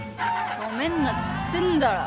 もめんなっつってんだろ。